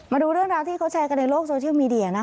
มาดูเรื่องราวที่เขาแชร์กันในโลกโซเชียลมีเดียนะคะ